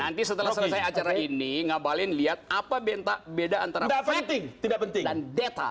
nanti setelah selesai acara ini ngabalin lihat apa benda antara fakta dan data